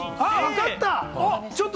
わかった！